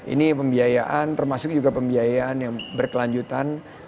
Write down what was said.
ini pembiayaan termasuk juga pembiayaan yang berkelanjutan